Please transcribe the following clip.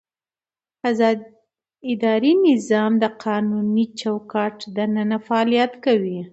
اداري نظام د قانوني چوکاټ دننه فعالیت کوي.